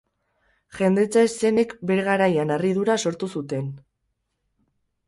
Jendetza-eszenek bere garaian harridura sortu zuten